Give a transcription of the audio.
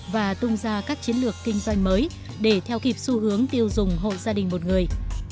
và tung ra các chiến lược kinh doanh mới để theo kịp xu hướng tiêu dùng hộ gia đình một người